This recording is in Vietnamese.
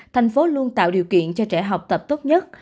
thành phố luôn tạo điều kiện cho trẻ học tập tốt nhất